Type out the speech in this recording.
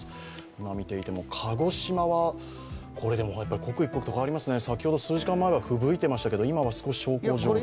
今、見ていても鹿児島はでも、刻一刻と変わりますね、先ほど数時間前はふぶいていましたけど、今は小康状態。